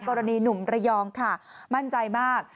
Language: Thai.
กรณีหนุ่มระยองค่ะมั่นใจมาก